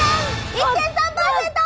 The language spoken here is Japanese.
１．３％！